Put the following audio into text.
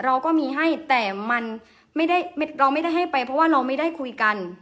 เราก็มีให้แต่มันไม่ได้เราไม่ได้ให้ไปเพราะว่าเราไม่ได้คุยกัน